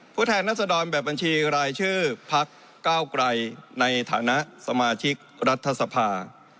แทนรัศดรแบบบัญชีรายชื่อพักเก้าไกรในฐานะสมาชิกรัฐสภา